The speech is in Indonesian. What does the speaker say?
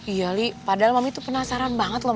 iya li padahal mami tuh penasaran banget loh